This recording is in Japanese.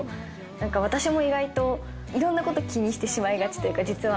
なんか私も意外と、いろんなこと気にしてしまいがちというか、実は。